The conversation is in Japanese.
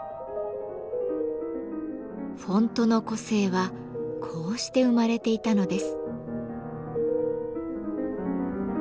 フォントの個性はこうして生まれていたのです。